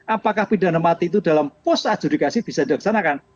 apakah pidana mati itu dalam pos adjudikasi bisa dilaksanakan